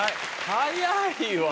早いわ。